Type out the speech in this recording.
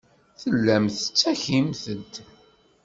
Tellamt tettakimt-d.